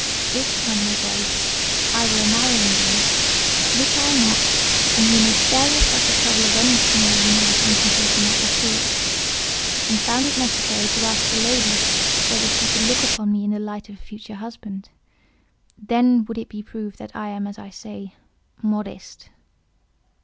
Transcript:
If, Mademoiselle, I were a marrying man (which I am not; and you may spare yourself the trouble of any sneer you may be contemplating at the thought), and found it necessary to ask a lady whether she could look upon me in the light of a future husband, then would it be proved that I am as I say—modest."